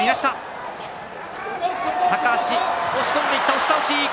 押し倒し。